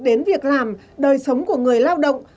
đến việc làm đời sống của người lao động